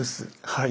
はい。